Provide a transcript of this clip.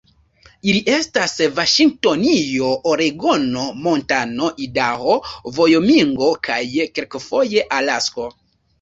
Ili estas Vaŝingtonio, Oregono, Montano, Idaho, Vajomingo kaj kelkfoje Alasko.